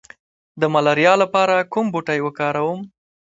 د ملاریا لپاره کوم بوټی وکاروم؟